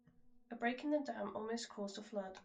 A break in the dam almost caused a flood.